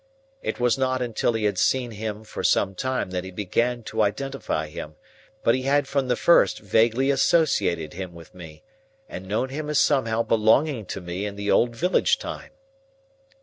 It was not until he had seen him for some time that he began to identify him; but he had from the first vaguely associated him with me, and known him as somehow belonging to me in the old village time.